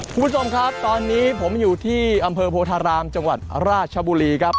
คุณผู้ชมครับตอนนี้ผมอยู่ที่อำเภอโพธารามจังหวัดราชบุรีครับ